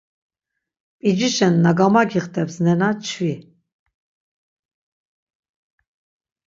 P̆icişen na gamagixteps nena çvi.